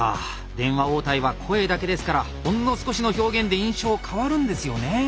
電話応対は声だけですからほんの少しの表現で印象変わるんですよね。